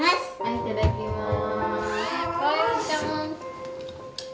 いただきます。